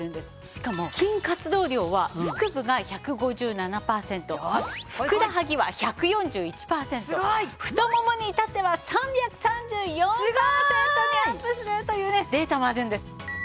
しかも筋活動量は腹部が１５７パーセントふくらはぎは１４１パーセント太ももに至っては３３４パーセントにアップするというデータもあるんです。